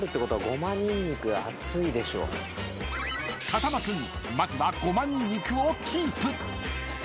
［風間君まずはごまにんにくをキープ］